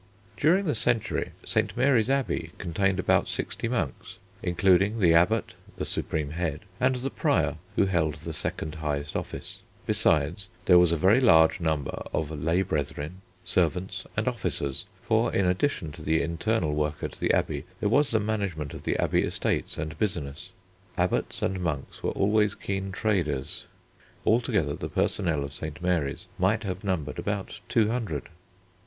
During the century St. Mary's Abbey contained about sixty monks, including the Abbot, the supreme head, and the Prior, who held the second highest office; besides, there was a very large number of lay brethren, servants and officers, for in addition to the internal work at the abbey, there was the management of the abbey estates and business. Abbots and monks were always keen traders. Altogether the personnel of St. Mary's might have numbered about two hundred.